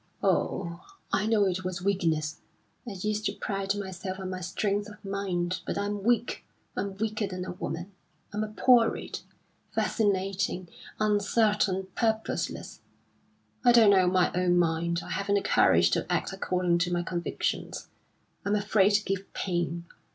"Oh, I know it was weakness! I used to pride myself on my strength of mind, but I'm weak. I'm weaker than a woman. I'm a poor reed vacillating, uncertain, purposeless. I don't know my own mind. I haven't the courage to act according to my convictions. I'm afraid to give pain.